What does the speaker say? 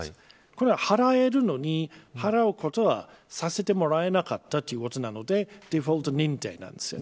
これは払えるのに払うことはさせてもらえなかったということなのでデフォルト認定なんです。